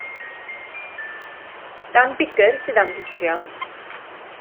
Dan Biggar sydd am gicio.